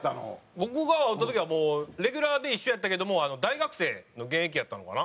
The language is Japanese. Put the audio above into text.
僕が会った時はもうレギュラーで一緒やったけども大学生の現役やったのかな？